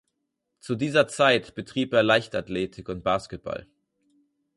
Zu dieser Zeit betrieb er Leichtathletik und Basketball.